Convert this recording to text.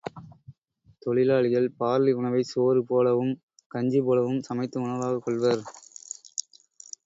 தொழிலாளிகள் பார்லி உணவைச் சோறு போலவும், கஞ்சி போலவும் சமைத்து உணவாகக் கொள்வர்.